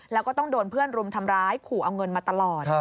แล้วก็ต้องโดนเพื่อนรุมทำร้ายขู่เอาเงินมาตลอด